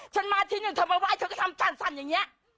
ฉันมาที่นี่ฉันมาว่าเธอก็ทำสั้นอย่างเนี้ย